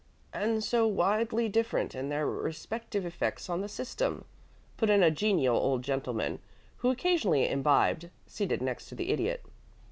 "And so widely different in their respective effects on the system," put in a genial old gentleman who occasionally imbibed, seated next to the Idiot.